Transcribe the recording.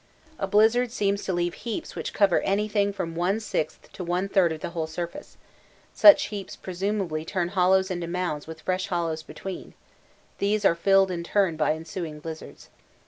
A blizzard seems to leave heaps which cover anything from one sixth to one third of the whole surface such heaps presumably turn hollows into mounds with fresh hollows between these are filled in turn by ensuing blizzards.